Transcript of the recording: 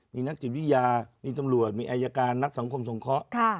มีนักจิตวิทยามีตำรวจมีอายการนักสังคมสงเคราะห์